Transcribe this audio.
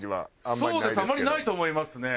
あまりないと思いますね。